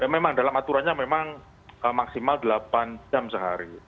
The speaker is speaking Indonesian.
memang dalam aturannya memang maksimal delapan jam sehari